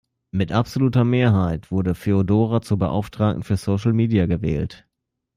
Mit absoluter Mehrheit wurde Feodora zur Beauftragten für Social Media gewählt.